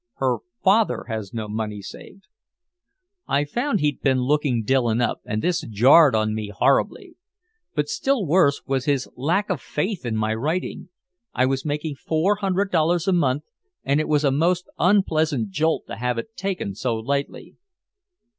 Her father has no money saved." I found he'd been looking Dillon up, and this jarred on me horribly. But still worse was his lack of faith in my writing. I was making four hundred dollars a month, and it was a most unpleasant jolt to have it taken so lightly.